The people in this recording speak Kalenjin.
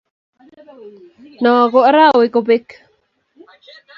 noo ko araweekobek.